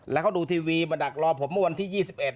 แล้วเขาดูทีวีมาดักรอผมเมื่อวันที่๒๑